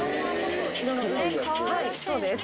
はいそうです。